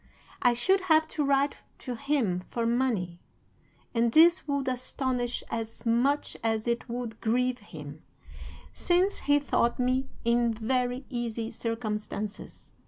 I should have to write to him for money, and this would astonish as much as it would grieve him, since he thought me in very easy circumstances.